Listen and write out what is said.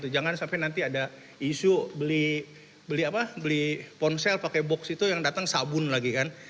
jangan sampai nanti ada isu beli ponsel pakai box itu yang datang sabun lagi kan